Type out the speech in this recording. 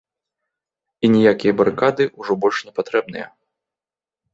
І ніякія барыкады ўжо больш не патрэбныя.